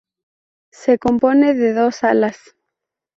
Se compone de dos salas.